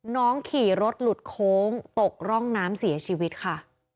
ขี่รถหลุดโค้งตกร่องน้ำเสียชีวิตค่ะ